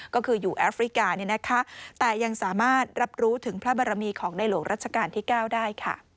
ก็คืออยู่แอฟริกาแต่ยังสามารถรับรู้ถึงพระบารมีของในหลวงรัชกาลที่๙ได้